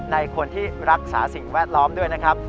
ในคนที่รักษาสิ่งแวดล้อมด้วยนะครับ